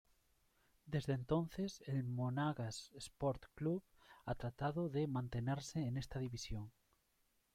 Desde entonces el Monagas Sport Club ha tratado de mantenerse en esta división.